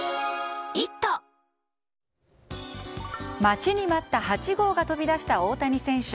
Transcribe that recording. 待ちに待った８号が飛び出した大谷選手。